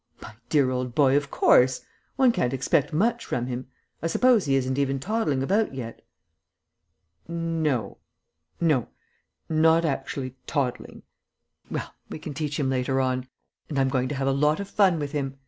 "My dear old boy, of course. One can't expect much from him. I suppose he isn't even toddling about yet?" "No no. Not actually toddling." "Well, we can teach him later on. And I'm going to have a lot of fun with him.